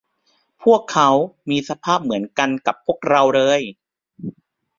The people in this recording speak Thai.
พวกเขามีสภาพเหมือนกันกับพวกเราเลย